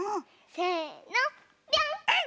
せのぴょん！